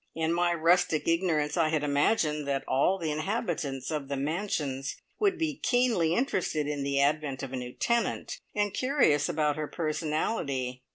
In my rustic ignorance I had imagined that all the inhabitants of the "Mansions" would be keenly interested in the advent of a new tenant, and curious about her personality.